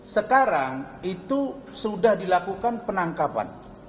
sekarang itu sudah dilakukan penangkapan